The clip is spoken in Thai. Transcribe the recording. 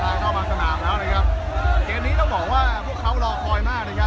เข้ามาสนามแล้วนะครับเกมนี้ต้องบอกว่าพวกเขารอคอยมากนะครับ